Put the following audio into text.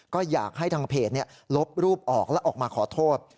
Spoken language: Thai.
ก็อยากให้ทางเพจลบรูปออกและออกมาขอโทษ